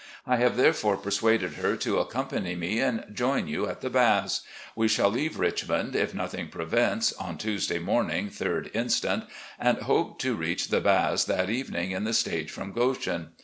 I have there fore persuaded her to accompany me and join you at the Baths. We shall leave Richmond, if nothing prevents, on Tuesday morning, 3d inst., and hope to reach the Baths that evening in the stage from Goshen.